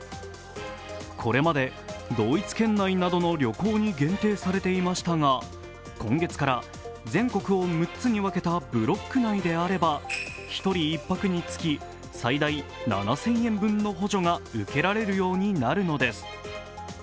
これまで同一県内などの旅行に限定されていましたが今月から全国を６つに分けたブロック外であれば１人１泊につき、最大７０００円分の補助が受けられるようになるのです。